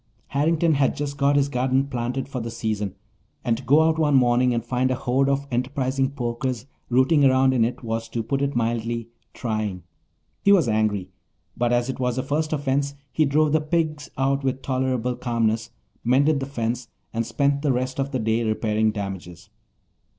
Harrington had just got his garden planted for the season, and to go out one morning and find a horde of enterprising porkers rooting about in it was, to put it mildly, trying. He was angry, but as it was a first offence he drove the pigs out with tolerable calmness, mended the fence, and spent the rest of the day repairing damages.